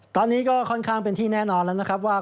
ตอนนี้ก็ค่อนข้างเป็นที่แน่นอนแล้วนะครับว่า